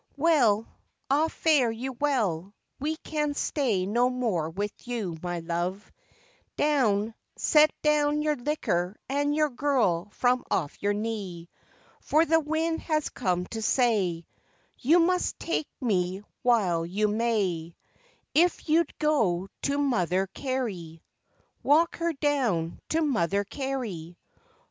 Well, ah fare you well; we can stay no more with you, my love Down, set down your liquor and your girl from off your knee; For the wind has come to say: "You must take me while you may, If you'd go to Mother Carey, (Walk her down to Mother Carey!)